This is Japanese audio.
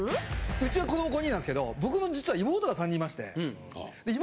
うちは子ども５人なんですけど僕の実は妹が３人いまして。